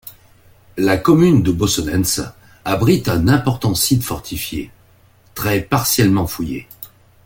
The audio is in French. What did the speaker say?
La commune de Bossonnens abrite un important site fortifié, très partiellement fouillé.